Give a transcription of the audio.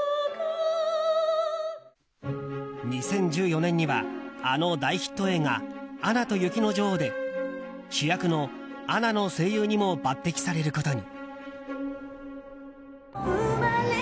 ２０１４年にはあの大ヒット映画「アナと雪の女王」で主役のアナの声優にも抜擢されることに。